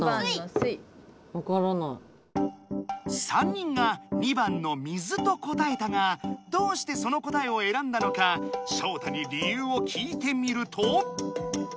３人が２番の「水」と答えたがどうしてその答えをえらんだのかショウタに理由を聞いてみると。